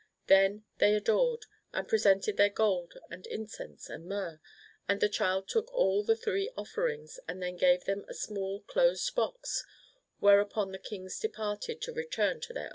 ^ Then they adored, and presented their Gold and Incense and Myrrh. And the Child took all the three offerings, and then gave them a small closed box ; whereupon the Kings departed to return into their own land.